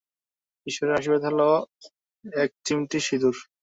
ঈশ্বরের আশীর্বাদ হলো, এক চিমটি সিদুর।